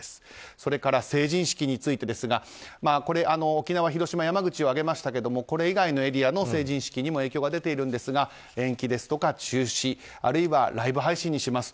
それから成人式についてですが沖縄、広島、山口を挙げましたがこれ以外のエリアの成人式にも影響が出ているんですが延期ですとか中止あるいはライブ配信。